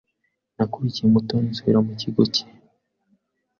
Nakurikiye Mutoni nsubira mu kigo cye.